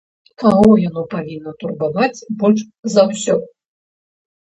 Каго яно павінна турбаваць больш за ўсё?